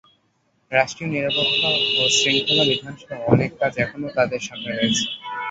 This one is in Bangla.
রাষ্ট্রীয় নিরাপত্তা ও শৃঙ্খলা বিধানসহ অনেক কাজ এখনও তাদের সামনে রয়েছে।